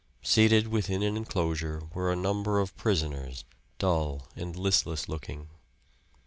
Seated within an inclosure were a number of prisoners, dull and listless looking.